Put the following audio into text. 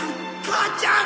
母ちゃん！